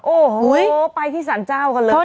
โอ้โหไปที่สรรเจ้ากันเลย